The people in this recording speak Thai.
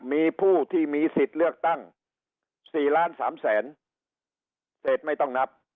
มีผู้ที่มีศิษฐ์เลือกตั้ง๔๓๐๐๐๐๐เศษไม่ต้องนับ